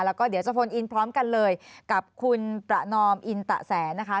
แล้วก็เดี๋ยวจะโฟนอินพร้อมกันเลยกับคุณประนอมอินตะแสนนะคะ